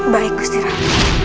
baik gusti rang